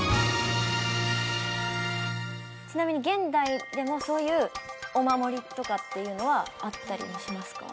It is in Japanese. ちなみに現代でもそういうお守りとかっていうのはあったりもしますか？